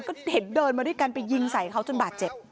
ก็เห็นเดินมาด้วยกันไปยิงใส่เขาจนบาดเจ็บ